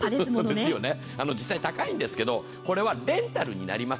実際高いんですけど、これはレンタルになります。